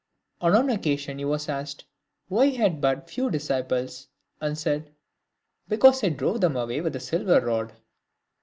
On one occasion he was asked why he had but few disciples, and said, " Because I drove them away with a silver rod."